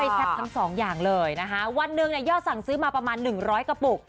แซ่บทั้งสองอย่างเลยนะคะวันหนึ่งยอดสั่งซื้อมาประมาณ๑๐๐กระปุก